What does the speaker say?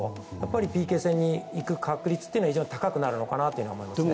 ＰＫ戦に行く確率は非常に高くなるのかなと思いますね。